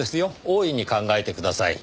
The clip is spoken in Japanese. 大いに考えてください。